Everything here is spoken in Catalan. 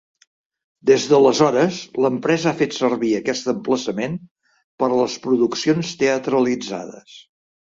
Des d'aleshores, l'empresa ha fet servir aquest emplaçament per a les produccions teatralitzades.